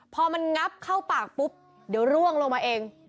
พอมันงับเข้าปากปุ๊บเดี๋ยวร่วงลงมาเอง